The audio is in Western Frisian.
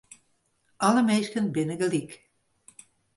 Alle minsken binne gelyk.